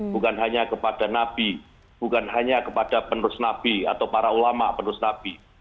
bukan hanya kepada nabi bukan hanya kepada penerus nabi atau para ulama penerus nabi